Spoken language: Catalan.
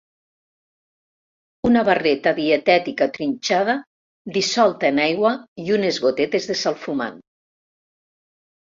Una barreta dietètica trinxada, dissolta en aigua i unes gotetes de salfumant.